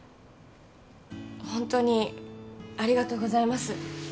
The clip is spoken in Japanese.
ホントにありがとうございます